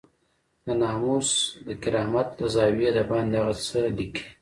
د ناموس د کرامت له زاويې دباندې هغه څه ليکي.